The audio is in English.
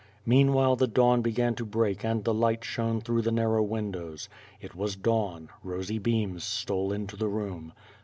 Meanwhile the dawn began to break and the light shone through the narrow windows. It was dawn — rosy beams stole into the room.